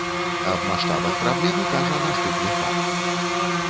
Аб маштабах праблемы кажа наступны факт.